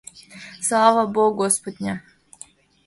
«Слава бо Господня».